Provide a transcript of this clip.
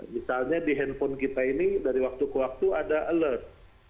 misalnya di handphone kita ini dari waktu ke waktu ada alert